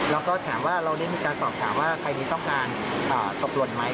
เราก็ถามว่าเราได้มีการสอบถามว่าใครต้องการตกหล่นไหม